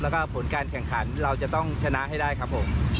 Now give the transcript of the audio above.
แล้วก็ผลการแข่งขันเราจะต้องชนะให้ได้ครับผม